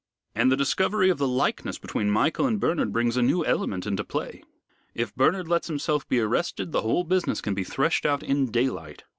And the discovery of the likeness between Michael and Bernard brings a new element into play. If Bernard lets himself be arrested, the whole business can be threshed out in daylight.